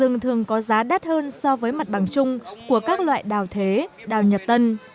rừng thường có giá đắt hơn so với mặt bằng chung của các loại đào thế đào nhật tân